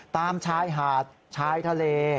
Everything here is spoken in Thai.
ตามชายหาดชายทะเล